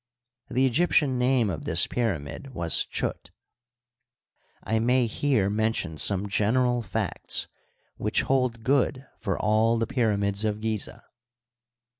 The Egyptian name of this pyramid was Chut, I may here mention some gen eral facts which hold good for all the pyramids of Gizeh.